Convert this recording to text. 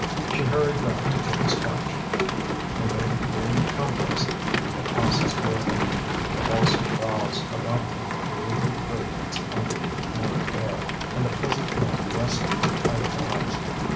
She hurried back to Jim's couch and laid the cooling compress across his forehead. The balsam boughs about them breathed their fragrance on the night air, and the pleasant gloom rested their tired eyes.